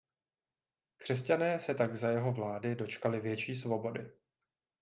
Křesťané se tak za jeho vlády dočkali větší svobody.